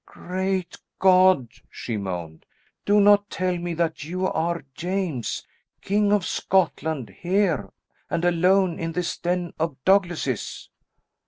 "Great God," she moaned, "do not tell me that you are James, King of Scotland, here, and alone, in this den of Douglases!"